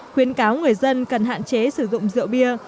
khuyến cáo người dân cần hạn chế sử dụng rượu bia